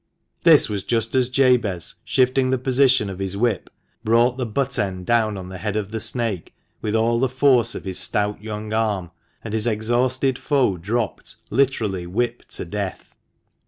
This was just as Jabez, shifting the position of his whip, brought the butt end down on the head of the snake with all the force of his stout young arm, and his exhausted foe dropped, literally whipped to death.